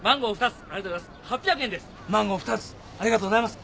マンゴー２つありがとうございます